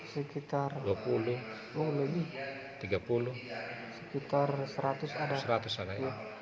sekitar dua puluh tiga puluh sekitar seratus ada